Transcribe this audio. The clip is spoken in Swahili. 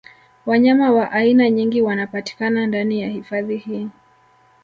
Wanyama wa aina nyingi wanapatikana ndani ya hifadhi hii